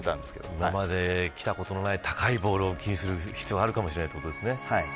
今まで来たことがない高いボールを気にする必要があるということですね。